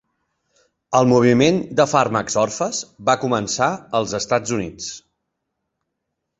El moviment de fàrmacs orfes va començar als Estats Units.